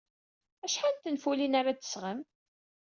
Acḥal n tenfulin ara d-tesɣem?